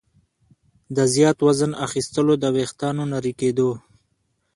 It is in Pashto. د زیات وزن اخیستلو، د ویښتانو نري کېدو